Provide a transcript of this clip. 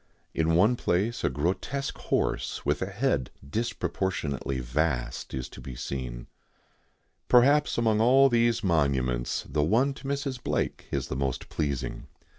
In one place a grotesque horse, with a head disproportionately vast, is to be seen. Perhaps among all these monuments the one to Mrs. Blake is the most pleasing.